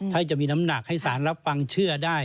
ถ้าจะมีน้ำหนักให้สารรับฟังเชื่อได้